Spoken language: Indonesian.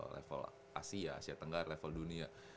level asia asia tenggara level dunia